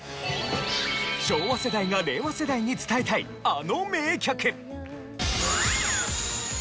昭和世代が令和世代に伝えたいあの名曲。